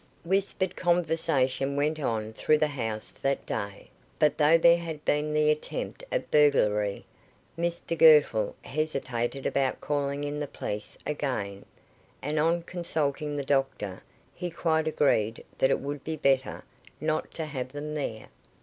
Whispered conversation went on all through the house that day, but though there had been the attempt at burglary, Mr Girtle hesitated about calling in the police again, and on consulting the doctor, he quite agreed that it would be better not to have them there.